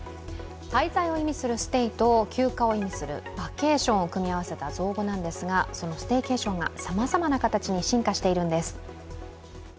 滞在を意味するステイと休暇を意味するバケーションを組み合わせた造語なんですがそのステイケーションがさまざまな形に進化しているんです。